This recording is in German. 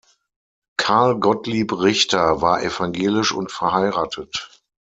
Karl Gottlieb Richter war evangelisch und verheiratet.